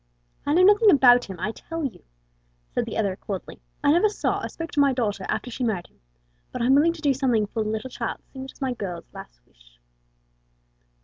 "I know nothing about him, I tell you," said the other, coldly; "I never saw or spoke to my daughter after she married him; but I'm willing to do something for the little child, seeing it was my girl's last wish."